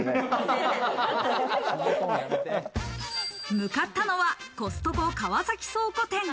向かったのはコストコ川崎倉庫店。